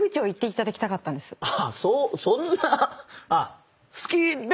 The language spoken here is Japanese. あっそんなあっ好きで？